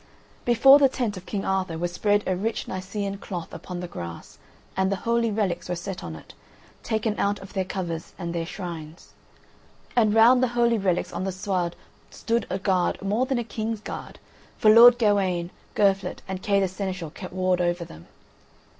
Before the tent of King Arthur was spread a rich Nicean cloth upon the grass, and the holy relics were set on it, taken out of their covers and their shrines. And round the holy relics on the sward stood a guard more than a king's guard, for Lord Gawain, Girflet, and Kay the Seneschal kept ward over them.